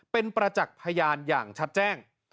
เป็นประจักษ์พยานอย่างชัดแจ้ง